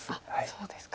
そうですか。